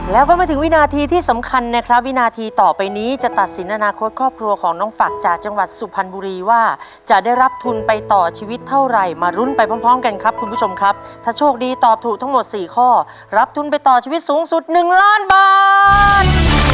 แล้วก็มาถึงวินาทีที่สำคัญนะครับวินาทีต่อไปนี้จะตัดสินอนาคตครอบครัวของน้องฝักจากจังหวัดสุพรรณบุรีว่าจะได้รับทุนไปต่อชีวิตเท่าไหร่มารุ้นไปพร้อมกันครับคุณผู้ชมครับถ้าโชคดีตอบถูกทั้งหมด๔ข้อรับทุนไปต่อชีวิตสูงสุด๑ล้านบาท